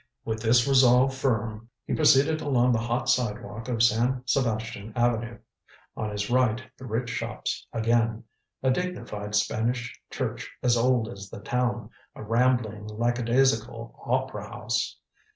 With this resolve firm, he proceeded along the hot sidewalk of San Sebastian Avenue. On his right the rich shops again, a dignified Spanish church as old as the town, a rambling lackadaisical "opera house."